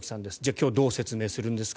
今日、どう説明するんですか。